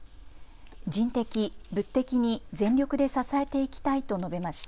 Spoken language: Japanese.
人的、物的に全力で支えていきたいと述べました。